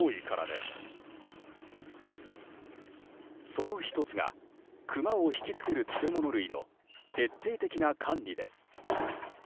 その１つがクマを引き付ける食べ物類の徹底的な管理です。